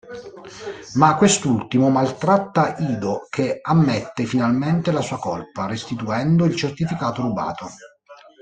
Ma quest'ultimo maltratta Ido, che ammette finalmente la sua colpa, restituendo il certificato rubato.